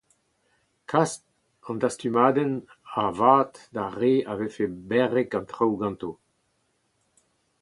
Kas an dastumadenn a-vat d'ar re a vefe berrek an traoù ganto.